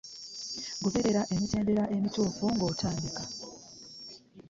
Goberera emitendera emituufu ng'otandika.